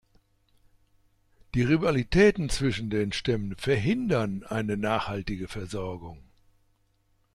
Die Rivalitäten zwischen den Stämmen verhindern eine nachhaltige Versorgung.